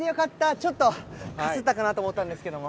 ちょっとかすったかなと思ったんですけども。